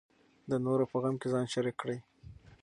د نورو په غم کې ځان شریک کړئ.